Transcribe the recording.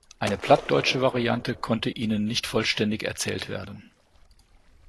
Eine plattdeutsche Variante konnte ihnen nicht vollständig erzählt werden.